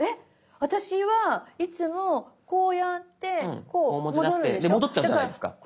私はいつもこうやってこう。戻るでしょ。